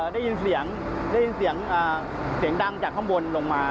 ได้ยินเสียงได้ยินเสียงดังจากข้างบนลงมา